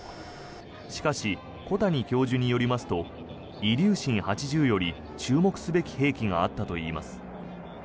しかし、小谷教授によりますとイリューシン８０より注目すべき兵器があったといいます。